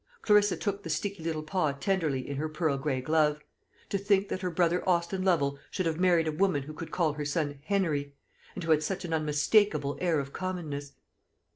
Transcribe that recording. Clarissa took the sticky little paw tenderly in her pearl gray glove. To think that her brother Austin Lovel should have married a woman who could call her son "Henery," and who had such an unmistakable air of commonness!